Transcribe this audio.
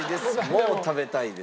「もう食べたいです」。